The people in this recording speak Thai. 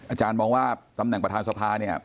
อาจารย์มองว่าตำแหน่งประธานสภาเนี่ย